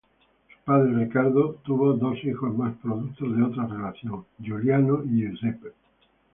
Su padre Riccardo tuvo dos hijos más, producto de otra relación: Giuliano y Giuseppe.